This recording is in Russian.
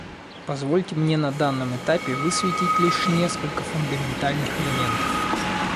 Позвольте мне на данном этапе высветить лишь несколько фундаментальных элементов.